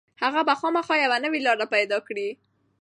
هغه به خامخا یوه نوې لاره پيدا کړي.